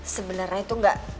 sebenernya itu gak